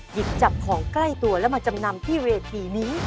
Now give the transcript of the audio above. หยิบจับของใกล้ตัวแล้วมาจำนำที่เวทีนี้